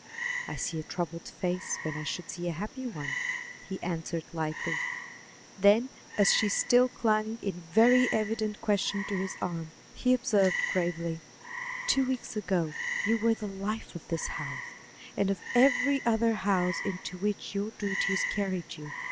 "I see a troubled face when I should see a happy one," he answered lightly; then, as she still clung in very evident question to his arm, he observed gravely: "Two weeks ago you were the life of this house, and of every other house into which your duties carried you.